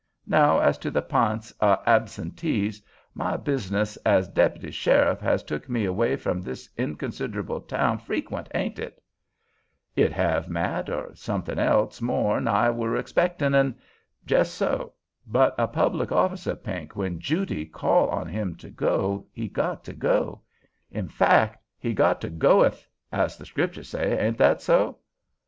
Now as to the p'ints o' absentees, my business as dep'ty sheriff has took me away from this inconsider'ble town freckwent, hain't it?" "It have, Matt, er somethin' else, more'n I were a expectin', an'—" "Jes' so. But a public officer, Pink, when jooty call on him to go, he got to go; in fack he got to goth, as the Scripture say, ain't that so?"